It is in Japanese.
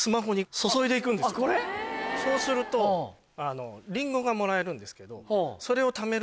そうするとリンゴがもらえるんですけど。